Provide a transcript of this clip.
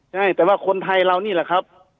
ใช่แต่ว่าคนไทยเรานี่แหละครับ